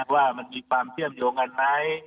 ว่ามันมีความเชื่อมโยงกันไหม